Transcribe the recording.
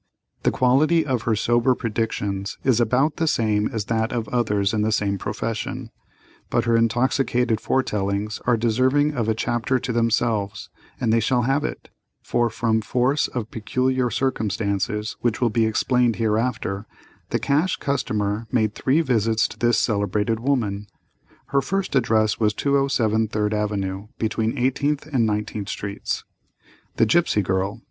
The quality of her sober predictions is about the same as that of others in the same profession, but her intoxicated foretellings are deserving of a chapter to themselves, and they shall have it, for from force of peculiar circumstances, which will be explained hereafter, the Cash Customer made three visits to this celebrated woman. Her first address was 207 3d Avenue, between Eighteenth and Nineteenth Streets. The Gipsy Girl!